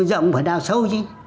rộng có rộng phải đào sâu chứ